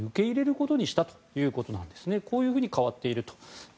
こういうふうに変わっていると。